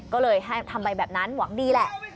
ก็เลยให้ทำไปแบบนั้นหวังดีแหละ